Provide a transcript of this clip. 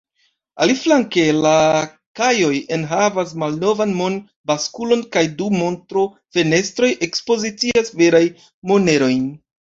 Aliflanke, la kajoj enhavas malnovan mon-baskulon kaj du montro-fenestroj ekspozicias verajn monerojn.